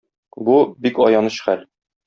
Бу - бик аяныч хәл.